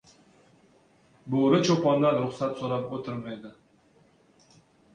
• Bo‘ri cho‘pondan ruxsat so‘rab o‘tirmaydi.